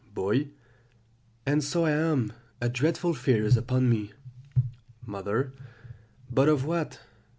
"Boy. And so I am; a dreadful fear is upon me. "Mother. But of what?